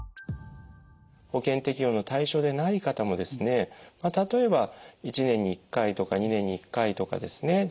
保険適用の対象でない方もですねまあ例えば１年に１回とか２年に１回とかですね